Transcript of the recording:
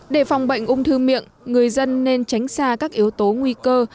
để phòng bệnh ung thư miệng người dân nên tránh xa các yếu tố nguy cơ